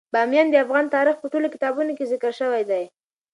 بامیان د افغان تاریخ په ټولو کتابونو کې ذکر شوی دی.